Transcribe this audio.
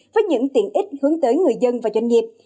với những tiện ích hướng tới người dân và doanh nghiệp